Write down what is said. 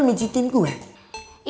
mendidah udah mencuhtianku ya